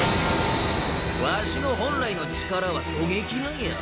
ワシの本来の力は狙撃なんよ。